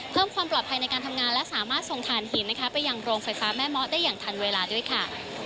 เพิ่มความปลอดภัยในการทำงานและสามารถส่งฐานหินนะคะไปยังโรงไฟฟ้าแม่เมาะได้อย่างทันเวลาด้วยค่ะ